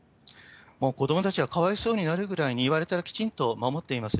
子どもたちはかわいそうになるぐらいに、言われたらきちんと守っています。